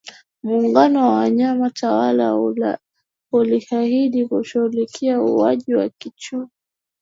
Muungano wa vyama tawala ulihahidi kushughulikia ukuaji wa kiuchumi